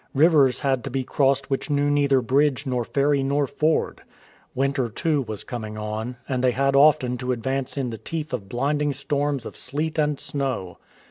Rivers had to be crossed which knew neither bridge nor ferry nor ford. Winter too was coming on, and they had often to advance in the teeth of blinding storms of sleet and snow.